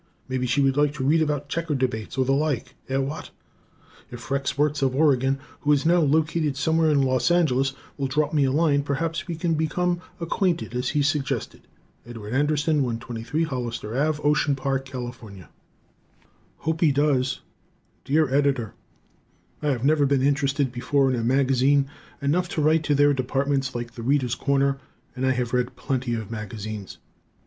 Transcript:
Maybe she would like to read about checker debates or the like. Eh, what? If Rex Wertz of Oregon, who is now located somewhere in Los Angeles, will drop me a line, perhaps we can become acquainted as he suggested. Edward Anderson, 123 Hollister Ave., Ocean Park, Cal. Hope He Does Dear Editor: I have never been interested before in a magazine enough to write to their departments, like "The Readers' Corner," and I have read plenty of magazines.